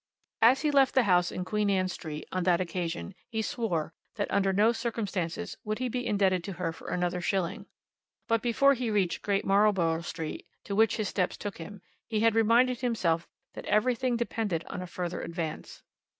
As he left the house in Queen Anne Street, on that occasion, he swore, that under no circumstances would he be indebted to her for another shilling. But before he had reached Great Marlborough Street, to which his steps took him, he had reminded himself that everything depended on a further advance.